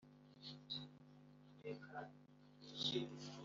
Umugezi uturuka muri Edeni utotesha iyo ngobyi